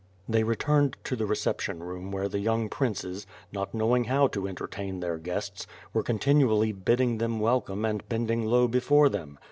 They returned to the reception room where the young princes, not knowing how to entertain their guests, were con tinually biddinr^ them welcome and bending low before them.